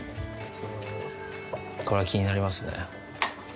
これは気になりますね。